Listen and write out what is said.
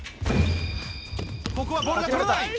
ここはボールが捕れない。